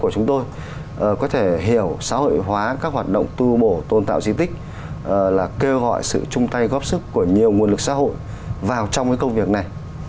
chúng tôi có thể hiểu xã hội hóa các hoạt động tu bổ tôn tạo di tích là kêu gọi sự chung tay góp sức của nhiều nguồn lực xã hội vào trong công việc này